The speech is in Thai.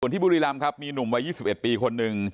ที่บุรีลำครับมีหนุ่มวัยยี่สิบเอ็ดปีคนนึง